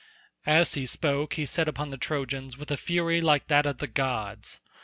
As he spoke he set upon the Trojans with a fury like that of the gods.